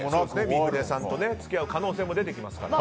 三船さんと付き合う可能性も出てきますから。